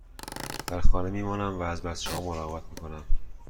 در خانه می مانم و از بچه ها مراقبت می کنم.